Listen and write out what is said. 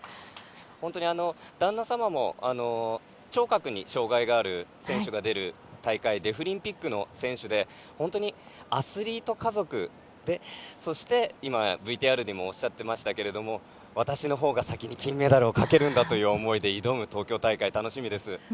旦那様も聴覚に障がいがある選手が出る大会デフリンピックの選手でアスリート家族でそして、ＶＴＲでもおっしゃってましたけれども私のほうが先に金メダルをかけるんだという思いで挑む東京大会、楽しみです。